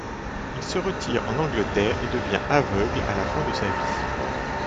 Il se retire en Angleterre et devient aveugle à la fin de sa vie.